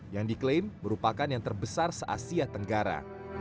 yang diklaim merupakan yang terbesar se asia tenggara